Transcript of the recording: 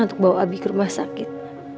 untuk bawa abi ke rumah sakit